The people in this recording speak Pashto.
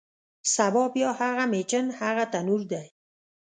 سبا بیا هغه میچن، هغه تنور دی